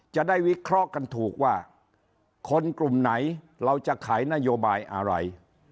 จะได้วิเคราะห์กันถูกว่าคนกลุ่มไหนเราจะขายนโยบายอะไร